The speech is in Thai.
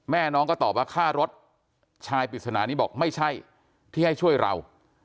น้องก็ตอบว่าค่ารถชายปริศนานี้บอกไม่ใช่ที่ให้ช่วยเรา